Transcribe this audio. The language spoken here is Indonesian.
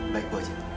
baik bu aja